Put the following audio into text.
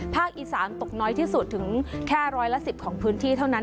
อีสานตกน้อยที่สุดถึงแค่ร้อยละ๑๐ของพื้นที่เท่านั้น